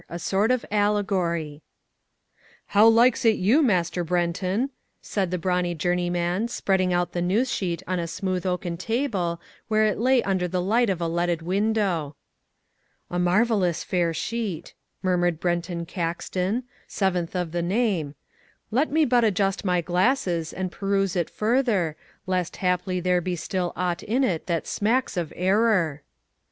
A Sort of Allegory How likes it you, Master Brenton?" said the brawny journeyman, spreading out the news sheet on a smooth oaken table where it lay under the light of a leaded window. "A marvellous fair sheet," murmured Brenton Caxton, seventh of the name, "let me but adjust my glasses and peruse it further lest haply there be still aught in it that smacks of error."